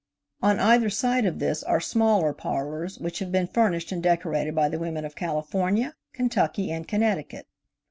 On either side of this are smaller parlors which have been furnished and decorated by the women of California, Kentucky and Connecticut.